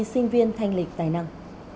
sinh viên thanh lịch tài năng